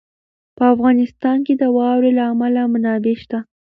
په افغانستان کې د واورو له امله منابع شته.